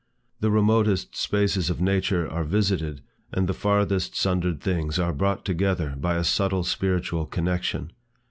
The remotest spaces of nature are visited, and the farthest sundered things are brought together, by a subtle spiritual connection.